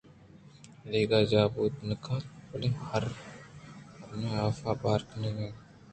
دگہ جاہ بوت نہ کنت بلئے ہرن ہاف ءِ بار ءَ گندگ بیت